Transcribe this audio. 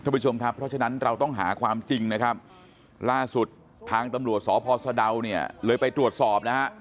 เพราะฉะนั้นเราต้องหาความจริงล่าสุดทางตำรวจศพสะดาวเลยไปตรวจสอบ